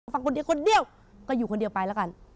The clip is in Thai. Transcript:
ฟังคนเดียวก็อยู่คนเดียวไปละกัน